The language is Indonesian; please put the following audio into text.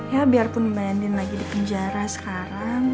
ya biarpun mbak adin lagi di penjara sekarang